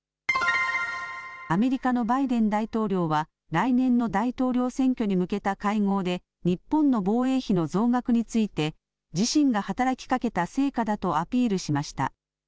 アメリカのバイデン大統領は来年の大統領選挙に向けた会合で日本の防衛費の増額について自身が働きかけた成果だとアピールしました。